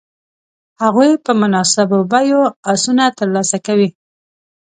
هغوی په مناسبو بیو آسونه تر لاسه کوي.